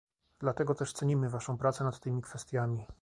Dlatego też cenimy waszą pracę nad tymi kwestiami